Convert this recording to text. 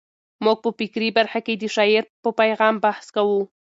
موږ په فکري برخه کې د شاعر په پیغام بحث کوو.